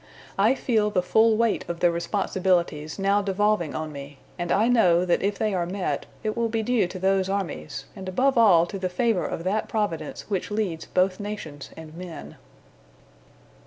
I feel the full weight of the responsibilities now devolving on me; and I know that if they are met, it will be due to those armies, and above all to the favor of that Providence which leads both nations and men."